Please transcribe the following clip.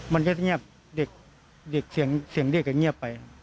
มันก็เงียบเด็กเสียงเด็กเงียบไป